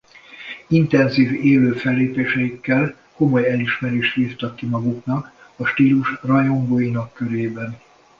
Intenzív élő fellépéseikkel komoly elismerést vívtak ki maguknak a stílus rajongóinak körében.